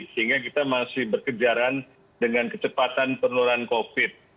sehingga kita masih berkejaran dengan kecepatan penurunan covid